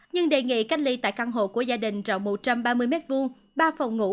nhưng đề nghị cách ly tại căn hộ của gia đình rộng một trăm ba mươi m hai ba phòng ngủ